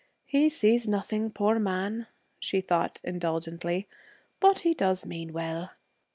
'He sees nothing, poor man,' she thought, indulgently. 'But he does mean well.'